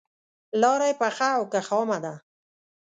لاره یې پخه او که خامه ده.